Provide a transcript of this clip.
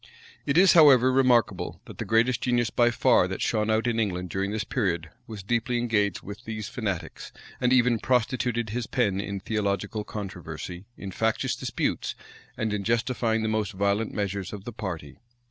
It is, however, remarkable, that the greatest genius by far that shone out in England during this period, was deeply engaged with these fanatics, and even prostituted his pen in theological controversy, in factious disputes, and in justifying the most violent measures of the party.